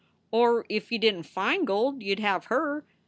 Or, if you didn t find gold, you d have her.